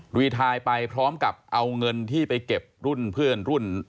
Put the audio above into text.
รีทายไปพร้อมกับเอาเงินที่ไปเก็บรุ่นเพื่อนรุ่น